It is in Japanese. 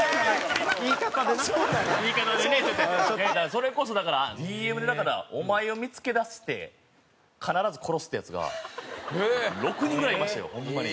それこそＤＭでだから「お前を見付け出して必ず殺す」ってヤツが６人ぐらいいましたよホンマに。